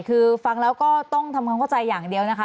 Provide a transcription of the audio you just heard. คือฟังแล้วก็ต้องทำความเข้าใจอย่างเดียวนะคะ